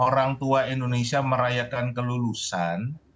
orang tua indonesia merayakan kelulusan